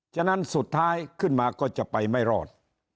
ฉะนั้นสุดท้ายขึ้นมาก็จะไปไม่รอด